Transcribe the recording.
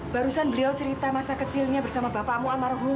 barusan beliau cerita masa kecilnya bersama bapakmu amar hum